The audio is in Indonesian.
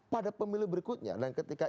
pada pemilu berikutnya dan ketika